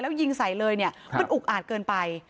แล้วยิงใส่เลยเนี่ยมันอุกอาจเกินไป